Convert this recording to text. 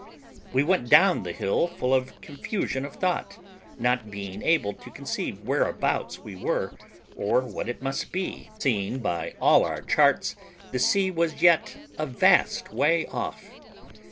We went down the hill full of confusion of thought, not being able to conceive whereabouts we were or what it must be, seeing by all our charts the sea was yet a vast way off.